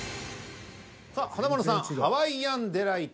さあ華丸さん「ハワイアンデライト」。